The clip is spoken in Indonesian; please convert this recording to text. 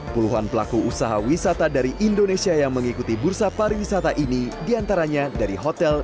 puluhan pelaku usaha wisata dari indonesia yang mengikuti bursa pariwisata ini diantaranya dari hotel